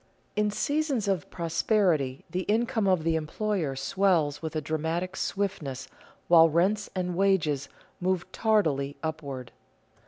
In seasons of prosperity the income of the employer swells with a dramatic swiftness while rents and wages move tardily upward.